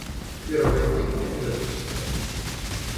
Первое из них эпизодическое.